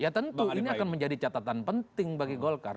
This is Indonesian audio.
ya tentu ini akan menjadi catatan penting bagi golkar